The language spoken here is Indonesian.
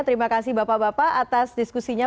terima kasih bapak bapak atas diskusinya